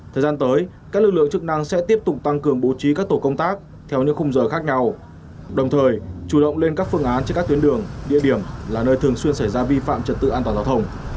thời gian tới các lực lượng chức năng sẽ tiếp tục tăng cường bố trí các tổ công tác theo những khung giờ khác nhau đồng thời chủ động lên các phương án trên các tuyến đường địa điểm là nơi thường xuyên xảy ra vi phạm trật tự an toàn giao thông